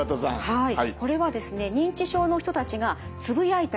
はい。